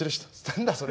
何だそれ。